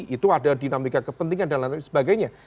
itu ada dinamika kepentingan dan lain sebagainya